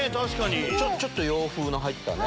ちょっと洋風の入ったね。